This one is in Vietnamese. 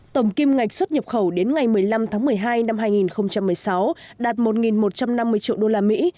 tổng kim ngạch xuất nhập khẩu đến ngày một mươi năm tháng một mươi hai năm hai nghìn một mươi sáu đạt một một trăm năm mươi triệu usd